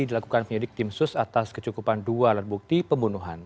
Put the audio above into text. dilakukan penyidik tim sus atas kecukupan dua alat bukti pembunuhan